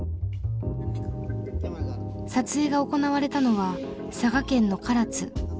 撮影が行われたのは佐賀県の唐津。